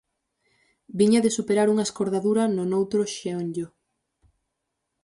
Viña de superar unha escordadura no noutro xeonllo.